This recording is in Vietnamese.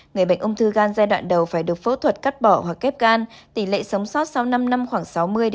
người bệnh ung thư gan giai đoạn đầu phải được phẫu thuật cắt bỏ hoặc ghép gan tỷ lệ sống sót sau năm năm khoảng sáu mươi ba mươi